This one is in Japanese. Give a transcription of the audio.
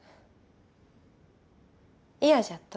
嫌じゃっと？